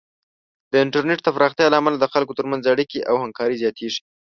د انټرنیټ د پراختیا له امله د خلکو ترمنځ اړیکې او همکاري زیاتېږي.